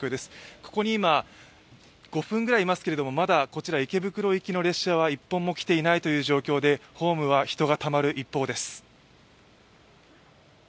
ここに今、５分くらいいますけれども、まだ池袋行きの電車は１本も来ていないという状況でホームは人がたまる一方です。